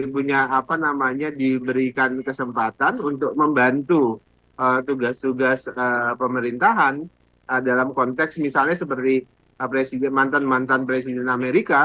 punya apa namanya diberikan kesempatan untuk membantu tugas tugas pemerintahan dalam konteks misalnya seperti mantan mantan presiden amerika